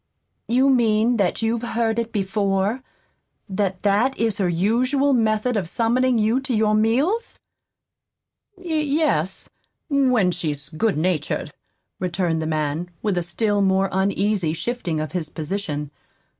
"You mean that you've heard it before? that that is her usual method of summoning you to your meals?" "Y yes, when she's good natured," returned the man, with a still more uneasy shifting of his position.